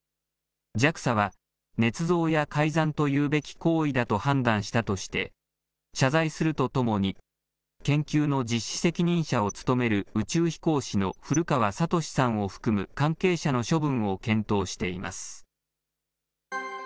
ＪＡＸＡは、ねつ造や改ざんというべき行為だと判断したとして、謝罪するとともに、研究の実施責任者を務める宇宙飛行士の古川聡さんを含む関係者の処分を検討しています。